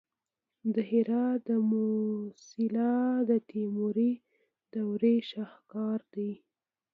د هرات د موسیلا د تیموري دورې شاهکار دی